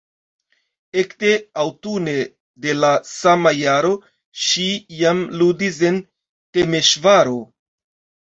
Ekde aŭtune de la sama jaro ŝi jam ludis en Temeŝvaro.